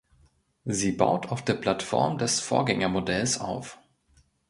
Sie baut auf der Plattform des Vorgängermodells auf.